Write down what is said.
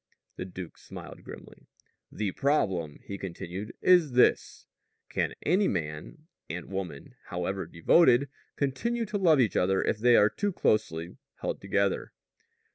The duke smiled grimly. "The problem," he continued, "is this: Can any man and woman, however devoted, continue to love each other if they are too closely held together?"